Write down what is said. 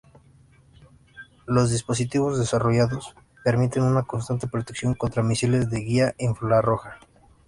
Los dispositivos desarrollados permiten una constante protección contra misiles de guía infrarroja.